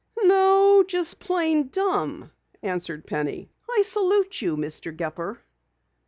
"No, just plain dumb," answered Penny. "I salute you, Mr. Gepper."